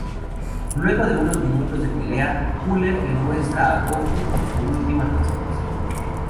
Luego de unos minutos de pelea, Cooler le muestra a Goku su última transformación.